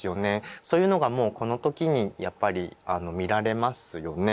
そういうのがもうこの時にやっぱり見られますよね。